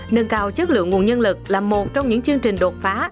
nâng cao chất lượng nguồn nhân lực là một trong những chương trình đột phá